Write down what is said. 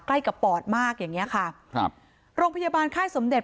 ใกล้กับปอดมากอย่างเงี้ยค่ะครับโรงพยาบาลค่ายสมเด็จ